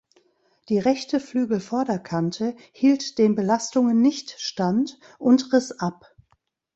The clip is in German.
Die rechte Flügelvorderkante hielt den Belastungen nicht stand und riss ab.